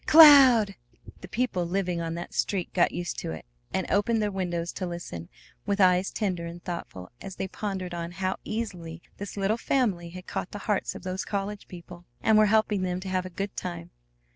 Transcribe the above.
CLOUD!" The people living on that street got used to it, and opened their windows to listen, with eyes tender and thoughtful as they pondered on how easily this little family had caught the hearts of those college people, and were helping them to have a good time.